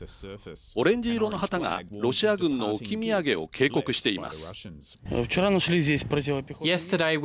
オレンジ色の旗が、ロシア軍の置き土産を警告しています。